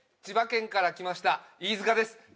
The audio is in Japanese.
千葉県から来ました飯塚です